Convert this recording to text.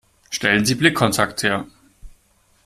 Stellen Sie Blickkontakt her.